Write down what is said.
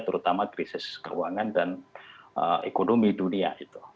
terutama krisis keuangan dan ekonomi dunia